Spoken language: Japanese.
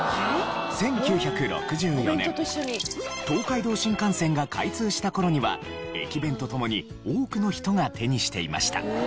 １９６４年東海道新幹線が開通した頃には駅弁と共に多くの人が手にしていました。